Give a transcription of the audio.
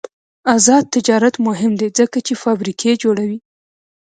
آزاد تجارت مهم دی ځکه چې فابریکې جوړوي.